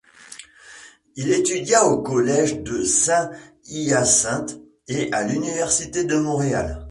Il étudia au Collège de Saint-Hyacinthe et à l'Université de Montréal.